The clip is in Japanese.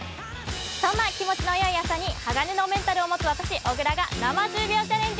そんな気持ちのよい朝に、鋼のメンタルを持つ私、小椋が生１０秒チャレンジ。